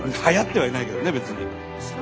はやってはいないけどね別に。